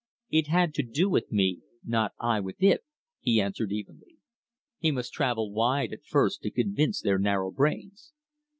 "It had to do with me, not I with it," he answered evenly. He must travel wide at first to convince their narrow brains.